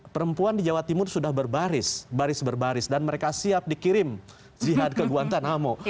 perempuan di jawa timur sudah berbaris baris berbaris dan mereka siap dikirim jihad ke guantanamo